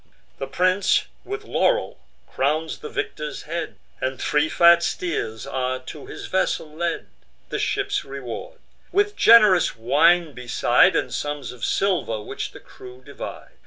The prince with laurel crowns the victor's head, And three fat steers are to his vessel led, The ship's reward; with gen'rous wine beside, And sums of silver, which the crew divide.